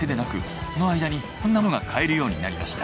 その間にいろんなものが買えるようになりました。